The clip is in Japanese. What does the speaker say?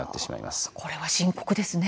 これは深刻ですね。